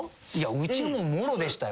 うちももろでしたよ